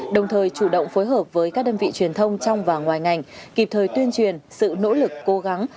đồng thời chủ động phối hợp với các đơn vị truyền thông trong và ngoài ngành kịp thời tuyên truyền sự nỗ lực cố gắng